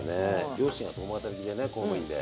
両親が共働きでね公務員で。